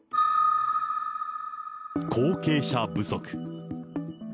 後継者不足。